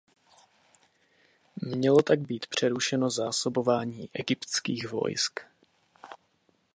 Mělo tak být přerušeno zásobování egyptských vojsk.